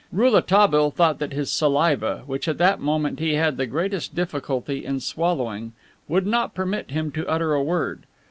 Rouletabille thought that his saliva, which at that moment he had the greatest difficulty in swallowing, would not permit him to utter a word.